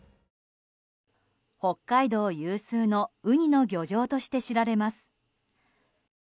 北海道有数のウニの漁場として知られます。